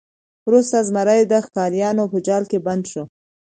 وروسته زمری د ښکاریانو په جال کې بند شو.